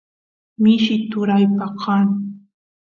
mishi turaypa kan